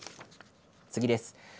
次です。